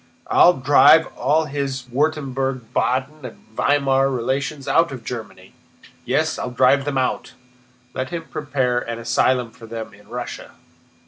"I'll drive all his Württemberg, Baden, and Weimar relations out of Germany.... Yes. I'll drive them out. Let him prepare an asylum for them in Russia!"